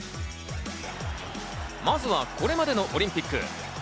まずはこれまでのオリンピック。